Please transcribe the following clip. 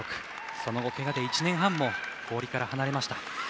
その後けがで１年半も氷から離れました。